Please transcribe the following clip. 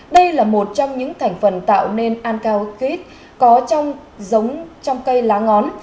đây là một trong những thành phần tạo nên an cao khít có trong giống trong cây lá ngón